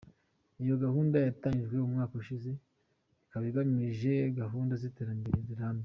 Iyo gahunda yatangijwe umwaka ushize ikaba igamije gahunda z’iterambere rirambye.